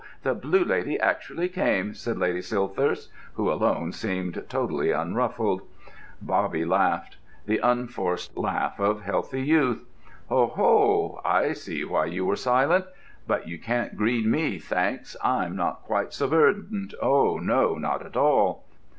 The Blue Lady actually came," said Lady Silthirsk, who alone seemed totally unruffled. Bobby laughed—the unforced laugh of healthy youth. "Oh ho! I see why you were silent. But you can't green me, thanks: I'm not quite so verdant—oh no, not at all!"